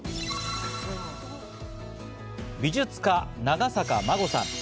美術家・長坂真護さん。